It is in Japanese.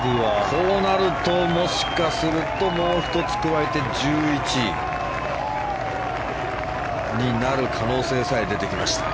こうなると、もしかするともう１つ加えて１１になる可能性さえ出てきました。